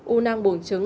u năng buồng trứng